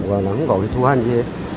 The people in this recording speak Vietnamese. và nó không có cái thua gì